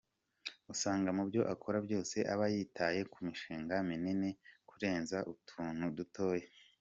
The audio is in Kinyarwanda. Usanga mu byo akora byose aba yitaye ku mishinga minini kurenza utuntu dutoya.